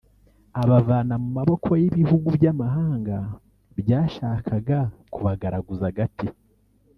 abavana mu maboko y’ibihugu by’amahanga byashakaga kubagaraguza agati